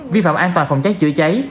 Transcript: vi phạm an toàn phòng cháy chữa cháy